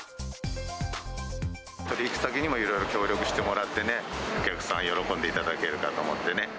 取り引き先にもいろいろ協力してもらってね、お客さんが喜んでいただけるかと思ってね。